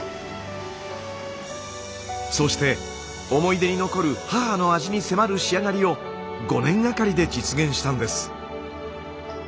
そうして思い出に残る母の味に迫る仕上がりを５年がかりで実現したんです。